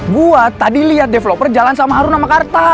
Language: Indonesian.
gue tadi liat developer jalan sama harun sama karta